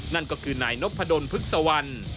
นั่นก็คือนายนพดลพฤกษวรรณ